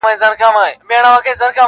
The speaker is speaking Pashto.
o توري سترګي غړوې چي چي خوني نه سي,